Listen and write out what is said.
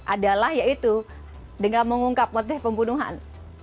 adalah yaitu dengan mengungkap motif pembunuhan